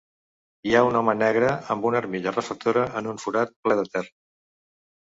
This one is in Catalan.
Hi ha un home negre amb una armilla reflectora en un forat ple de terra